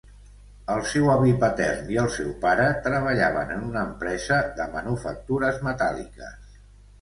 El seu avi patern i el seu pare treballaven en una empresa de manufactures metàl·liques.